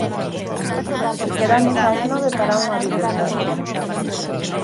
Quedamos ás nove para unha videochamada.